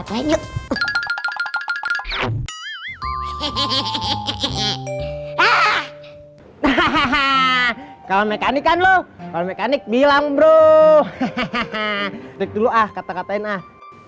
hahaha kalau mekanik kan lo kalau mekanik bilang bro hahaha dulu ah kata katain ah